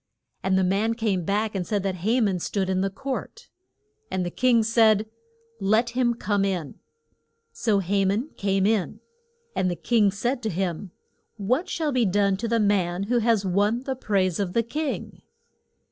And the man came back and said that Ha man stood in the court. And the king said, Let him come in. So Ha man came in. And the king said to him, What shall be done to the man who has won the praise of the king?